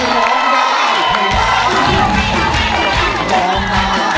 ร้องได้ให้ร้อง